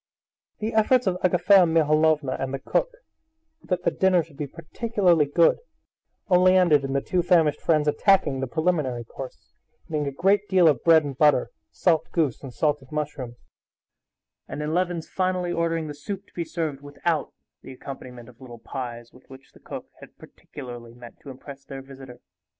The efforts of Agafea Mihalovna and the cook, that the dinner should be particularly good, only ended in the two famished friends attacking the preliminary course, eating a great deal of bread and butter, salt goose and salted mushrooms, and in Levin's finally ordering the soup to be served without the accompaniment of little pies, with which the cook had particularly meant to impress their visitor.